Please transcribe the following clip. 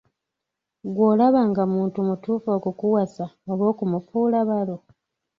Ggw'olaba nga muntu mutuufu okukuwasa oba okumufuula balo?